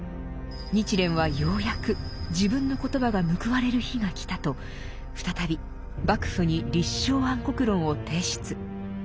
日蓮はようやく自分の言葉が報われる日が来たと再び幕府に「立正安国論」を提出。